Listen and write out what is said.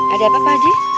ada apa paji